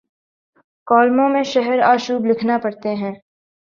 کالموں میں شہر آشوب لکھنا پڑتے ہیں۔